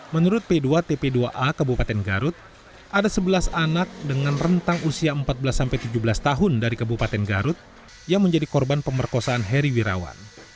menurut p dua tp dua a kabupaten garut ada sebelas anak dengan rentang usia empat belas tujuh belas tahun dari kabupaten garut yang menjadi korban pemerkosaan heri wirawan